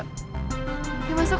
kalian kita masuk